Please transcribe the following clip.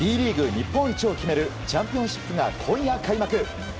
日本一を決めるチャンピオンシップが今夜開幕。